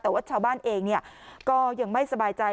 แต่ว่าชาวบ้านเองก็ยังไม่สบายใจ